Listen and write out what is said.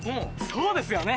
そうですよね。